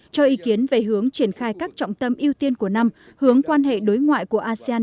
cho ý kiến về hướng triển khai các trọng tâm ưu tiên của năm hướng quan hệ đối ngoại của asean